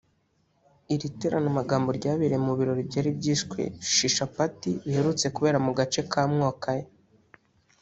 Iri teranamagambo ryabereye mu birori byari byiswe Shisha Party biherutse kubera mu gace ka Kamwokya